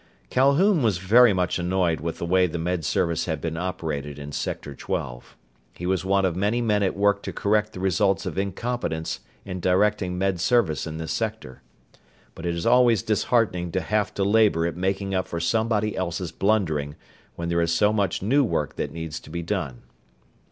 Calhoun was very much annoyed with the way the Med Service had been operated in Sector Twelve. He was one of many men at work to correct the results of incompetence in directing Med Service in this sector. But it is always disheartening to have to labor at making up for somebody else's blundering, when there is so much new work that needs to be done.